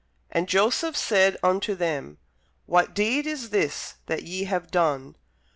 And Joseph said unto them, What deed is this that ye have done?